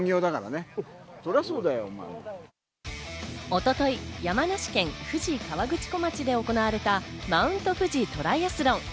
一昨日、山梨県富士河口湖町で行われた、Ｍｔ．富士トライアスロン。